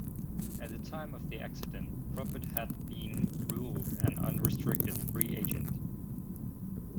At the time of the accident, Probert had been ruled an unrestricted free agent.